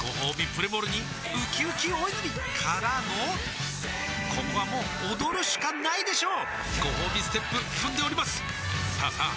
プレモルにうきうき大泉からのここはもう踊るしかないでしょうごほうびステップ踏んでおりますさあさあ